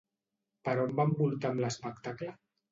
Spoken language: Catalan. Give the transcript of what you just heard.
Per on van voltar amb l'espectacle?